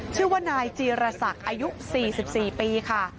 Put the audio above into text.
ชื่อว่านายจีรศักดิ์อายุ๔๔ปีค่ะ